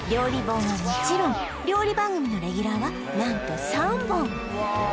本はもちろん料理番組のレギュラーは何と３本！